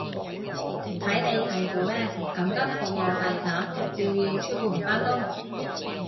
睇你係做咩，緊急服務係打風照要出門返工